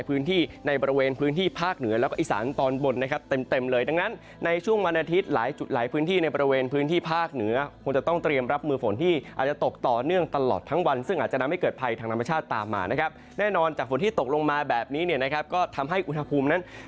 พื้นที่ในบริเวณพื้นที่ภาคเหนือแล้วก็อีสานตอนบนนะครับเต็มเต็มเลยดังนั้นในช่วงวันอาทิตย์หลายจุดหลายพื้นที่ในบริเวณพื้นที่ภาคเหนือคงจะต้องเตรียมรับมือฝนที่อาจจะตกต่อเนื่องตลอดทั้งวันซึ่งอาจจะทำให้เกิดภัยทางธรรมชาติตามมานะครับแน่นอนจากฝนที่ตกลงมาแบบนี้เนี่ยนะครับก็ทำให้อุณหภูมินั้น